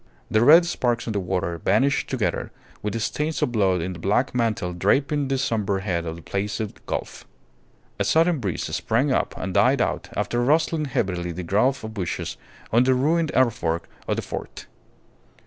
The red sparks in the water vanished together with the stains of blood in the black mantle draping the sombre head of the Placid Gulf; a sudden breeze sprang up and died out after rustling heavily the growth of bushes on the ruined earthwork of the fort.